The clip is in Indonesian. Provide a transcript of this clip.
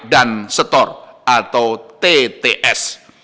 dan setor atau tts